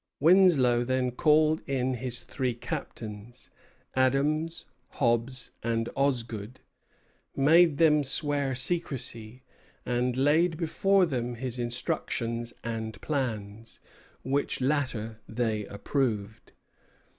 Winslow then called in his three captains, Adams, Hobbs, and Osgood, made them swear secrecy, and laid before them his instructions and plans; which latter they approved.